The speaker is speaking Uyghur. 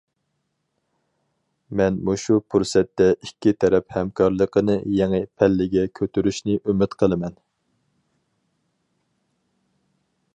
مەن مۇشۇ پۇرسەتتە ئىككى تەرەپ ھەمكارلىقىنى يېڭى پەللىگە كۆتۈرۈشنى ئۈمىد قىلىمەن.